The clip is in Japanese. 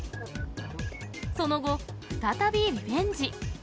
その後、再びリベンジ。